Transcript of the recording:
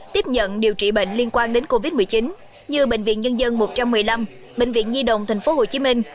tiếp nhận điều trị bệnh liên quan đến covid một mươi chín như bệnh viện nhân dân một trăm một mươi năm bệnh viện nhi đồng thành phố hồ chí minh